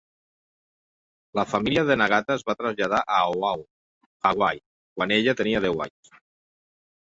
La família de Nagata es va traslladar a Oahu, Hawai'i, quan ella tenia deu anys.